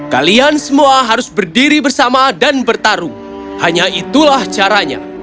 kalian semua harus berdiri bersama dan bertarung hanya itulah caranya